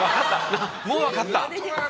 もう分かった？